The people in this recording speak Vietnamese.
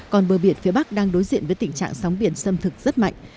còn bờ biển phía bắc đang đối diện với tình trạng sóng biển xâm thực rất mạnh